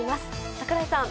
櫻井さん。